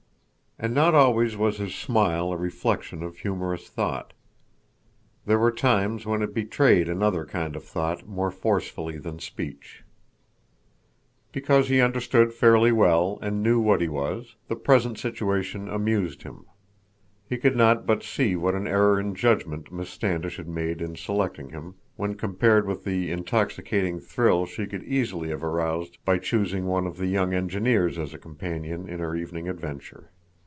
And not always was his smile a reflection of humorous thought. There were times when it betrayed another kind of thought more forcefully than speech. Because he understood fairly well and knew what he was, the present situation amused him. He could not but see what an error in judgment Miss Standish had made in selecting him, when compared with the intoxicating thrill she could easily have aroused by choosing one of the young engineers as a companion in her evening adventure.